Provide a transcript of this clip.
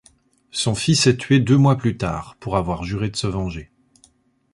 Son fils est tué deux mois plus tard pour avoir juré de se venger.